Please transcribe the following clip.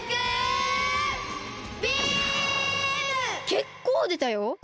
けっこうでたよ？